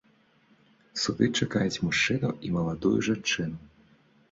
Суды чакаюць мужчыну і маладую жанчыну.